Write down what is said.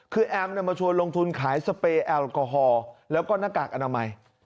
คือแอมมาชวนลงทุนขายสเปรย์แอลกอฮอล์แล้วก็หน้ากากอนามัย